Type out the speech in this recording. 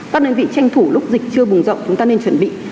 các đơn vị tranh thủ lúc dịch chưa bùng rộng chúng ta nên chuẩn bị